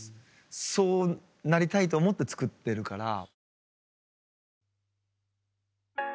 そうなりたいと思って作ってるから。